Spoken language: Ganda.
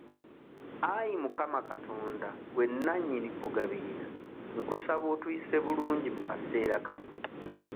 Ayi mukama Katonda gwe nannyini kugabirira nkusaba otuyise bulungi mu kaseera kano.